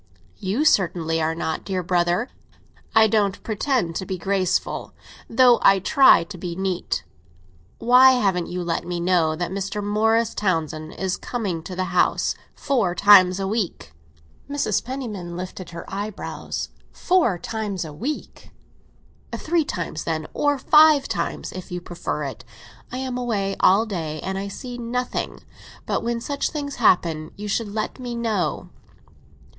"You certainly are not, dear brother." "I don't pretend to be graceful, though I try to be neat. Why haven't you let me know that Mr. Morris Townsend is coming to the house four times a week?" Mrs. Penniman lifted her eyebrows. "Four times a week?" "Five times, if you prefer it. I am away all day, and I see nothing. But when such things happen, you should let me know."